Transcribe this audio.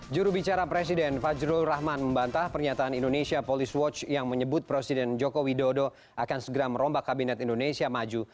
jurubicara presiden fajrul rahman membantah pernyataan indonesia police watch yang menyebut presiden joko widodo akan segera merombak kabinet indonesia maju